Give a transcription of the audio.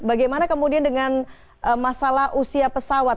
bagaimana kemudian dengan masalah usia pesawat